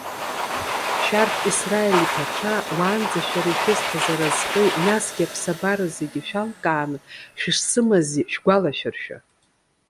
Шәарҭ Исраил иԥацәа! Уаанӡа шәара ишәысҭаз аразҟи, насгьы аԥсабара зегьы шәалкааны шәышсымази шәгәалашәыршәа.